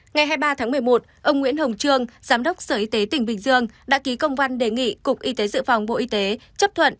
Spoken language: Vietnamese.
ngày hai mươi ba tháng một mươi một ông nguyễn hồng trương giám đốc sở y tế tỉnh bình dương đã ký công văn đề nghị cục y tế dự phòng bộ y tế chấp thuận